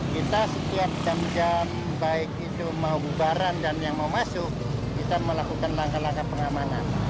kita setiap jam jam baik itu mau bubaran dan yang mau masuk kita melakukan langkah langkah pengamanan